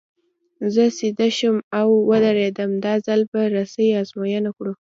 زه سیده شوم او ودرېدم، دا ځل به رسۍ ازموینه کړو.